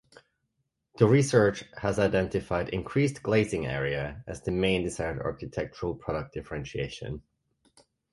The research has identified increased glazing area as the main desired architectural product differentiation.